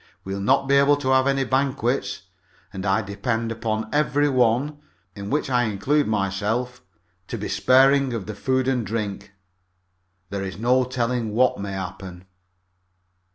We'll not be able to have any banquets, and I depend upon every one in which I include myself to be sparing of the food and drink. There is no telling what may happen."